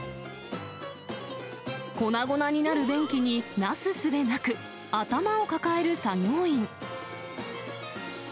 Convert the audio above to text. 粉々になる便器になすすべなく、頭を抱える作業員。